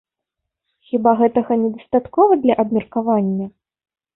Хіба гэтага не дастаткова для абмеркавання?